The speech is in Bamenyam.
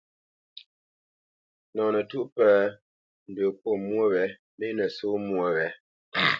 Nɔ ntə̌tûʼ pə̂, ndə kût mwô wě mê nə̂ só mwô wě.